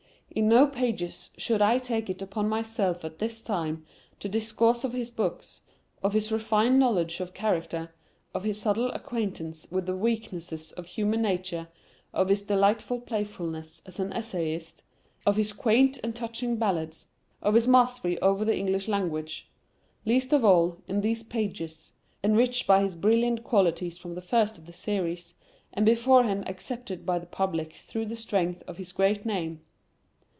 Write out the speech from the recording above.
In no pages should I take it upon myself at this time to discourse of his books, of his refined knowledge of character, of his subtle acquaintance with the weaknesses of human nature, of his delightful playfulness as an essayist, of his quaint and touching ballads, of his mastery over the English language. Least of all, in these pages, enriched by his brilliant qualities from the first of the series, and beforehand accepted by the Public through the strength of his great name.